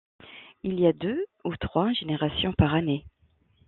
Il y a deux ou trois générations par année.